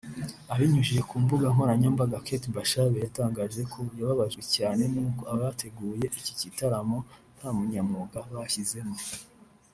Abinyujije ku mbuga nkoranyambaga Kate Bashabe yatangaje ko yababajwe cyane nuko abateguye iki gitaramo nta bunyamwuga bashyizemo